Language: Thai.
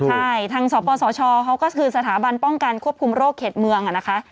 ใช่ทางสปสชเขาก็คือสถาบันป้องกันควบคุมโรคเขตเมืองนะคะ